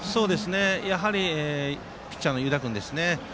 やはりピッチャーの湯田君